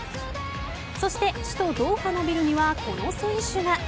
そして首都・ドーハのビルにはこの選手が。